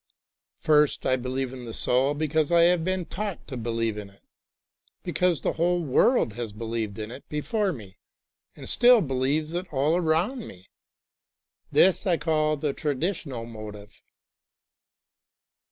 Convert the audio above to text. First, I believe in the soul because I have been taught to believe it, because the w^hole world has believed it before me and still believes it all around me. This I call the Traditional Motive.